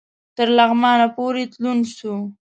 تر لغمانه پوري تلون سو